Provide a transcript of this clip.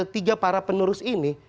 tiga para penerus ini